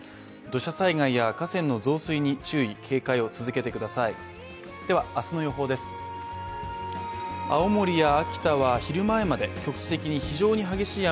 土砂災害や河川の増水に注意、警戒を続けてください。